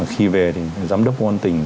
khi về thì giám đốc quân tỉnh